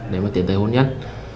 để mà tiến tới hôn nhân